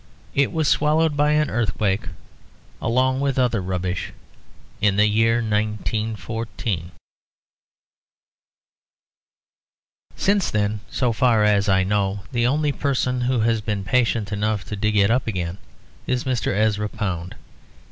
It was swallowed by an earthquake, along with other rubbish, in the year 1914. Since then, so far as I know, the only person who has been patient enough to dig it up again is Mr. Ezra Pound.